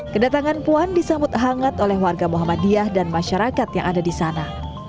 kedatangan puan disambut hangat oleh warga muhammadiyah dan masyarakat yang ada di sana